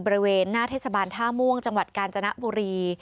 บริเวณหน้าเทศบาลท่าม่วงจังหวัดกาญจนบุรี